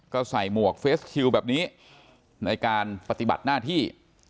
ก็ใส่หมวกเฟสคิวแบบนี้ในการปฏิบัติหน้าที่